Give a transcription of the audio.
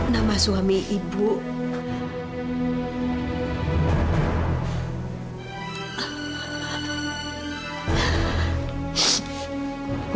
nama suami ibu